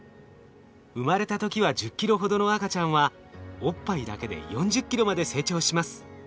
生まれた時は１０ｋｇほどの赤ちゃんはおっぱいだけで４０ｋｇまで成長します。